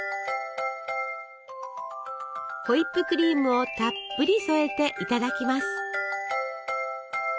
ホイップクリームをたっぷり添えていただきます。